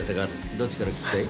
どっちから聞きたい？